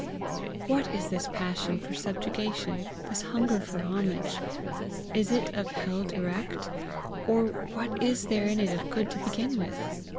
What is this passion for subjugation? this hunger for homage? Is it of hell direct, or what is there in it of good to begin with?